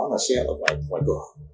là xe ở ngoài cửa